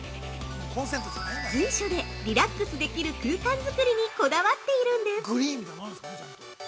随所でリラックスできる空間作りにこだわっているんです。